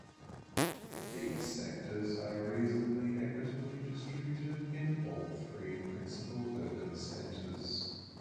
These sectors are reasonably equitably distributed in all three principal urban centres.